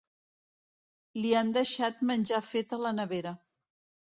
Li han deixat menjar fet a la nevera.